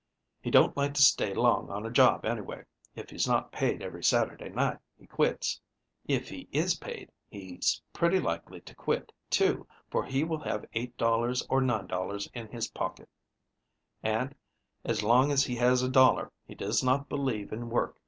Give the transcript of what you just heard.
He don't like to stay long on a job, anyway. If he's not paid every Saturday night, he quits. If he is paid, he's pretty likely to quit, too, for he will have $8 or $9 in his pocket, and, as long as he has a dollar he does not believe in work.